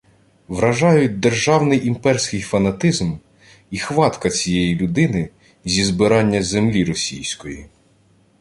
Вражають державний імперський фанатизм і «хватка» цієї людини зі «збирання землі російської»